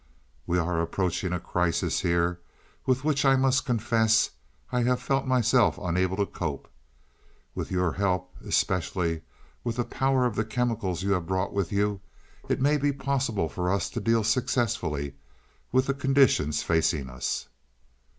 "We are approaching a crisis here with which I must confess I have felt myself unable to cope. With your help, more especially with the power of the chemicals you have brought with you, it may be possible for us to deal successfully with the conditions facing us."